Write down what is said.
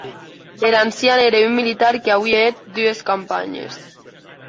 Er ancian ère un militar qu'auie hèt dues campanhes.